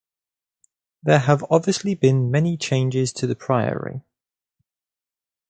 There have obviously been many changes to the priory.